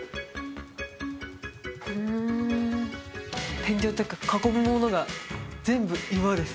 天井とか囲むものが全部岩です